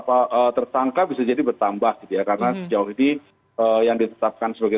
bahwa tersangka bisa jadi bertambah ya karena sejauh ini ya kita tidak bisa berdiri